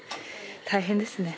大変ですね。